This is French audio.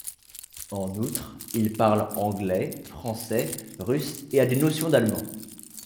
En outre, il parle anglais, français, russe et a des notions d'allemand.